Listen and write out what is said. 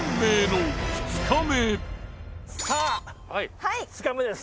さぁ２日目です。